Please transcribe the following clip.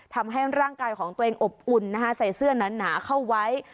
ทำให้ร่างกายของตัวเองอบอุ่นใส่เสื้อหนาเข้าไว้